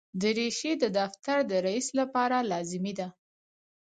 دریشي د دفتر د رئیس لپاره لازمي ده.